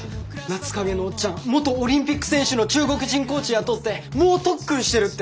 夏影のオッチャン元オリンピック選手の中国人コーチ雇って猛特訓してるって。